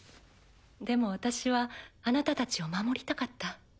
でも私はあなたたちを守りたかった。